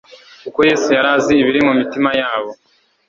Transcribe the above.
Kuko Yesu yari azi ibiri mu mitima yabo,